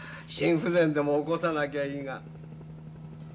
心不全でも起こさなきゃいいが。